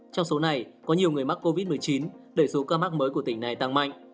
trong số này có nhiều người mắc covid một mươi chín để số ca mắc mới của tỉnh này tăng mạnh